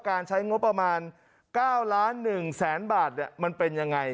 การใช้งบประมาณ๙ล้าน๑แสนบาทมันเป็นยังไง